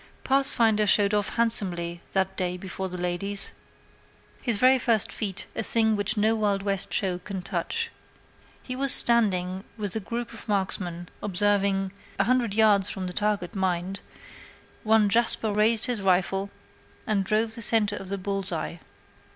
Pathfinder showed off handsomely that day before the ladies. His very first feat was a thing which no Wild West show can touch. He was standing with the group of marksmen, observing a hundred yards from the target, mind; one Jasper raised his rifle and drove the centre of the bull's eye.